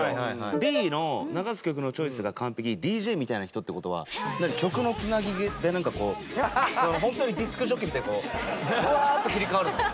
Ｂの流す曲のチョイスが完璧ＤＪみたいな人って事は曲の繋ぎでなんかこうホントにディスクジョッキーみたいにフワーッと切り替わるの？